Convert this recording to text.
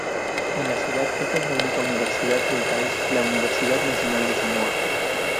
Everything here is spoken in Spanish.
En la ciudad está la única universidad del país, la Universidad Nacional de Samoa.